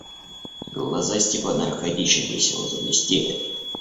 Глаза Степана Аркадьича весело заблестели.